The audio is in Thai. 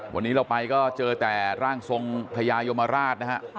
วันนี้เราไปก็เจอแต่ร่างทรงพญายมราชนะฮะ